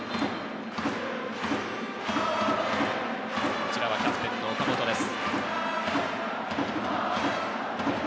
こちらはキャプテンの岡本です。